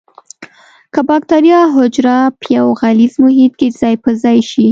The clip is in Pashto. که بکټریا حجره په یو غلیظ محیط کې ځای په ځای شي.